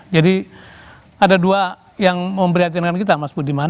jadi ada dua yang memprihatinkan kita mas budiman